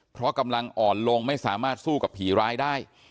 เพราะกำลังอ่อนลงไม่สามารถสู้กับผีร้ายได้